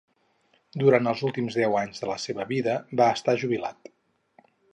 Durant els últims deu anys de la seva vida va estar jubilat.